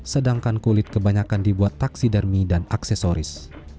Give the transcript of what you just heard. sedangkan kulit kebanyakan dibuat taksidarmi dan aksesoris